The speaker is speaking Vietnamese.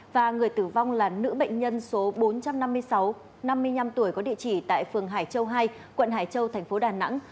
và người tử vong là nữ bệnh nhân số bốn trăm năm mươi sáu năm mươi năm tuổi có địa chỉ tại phường hải châu hai quận hải châu thành phố đà nẵng